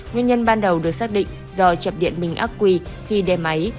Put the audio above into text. nguyên nhân ban đầu được xác định do chập điện mình ác quy khi đem máy